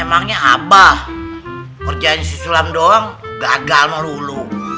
emangnya abah kerjanya isi sulam doang gagal melulu